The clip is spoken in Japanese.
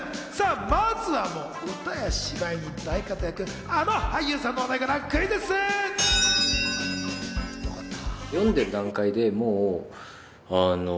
まずは歌や芝居に大活躍、あの俳優さんの話題からクイよかった。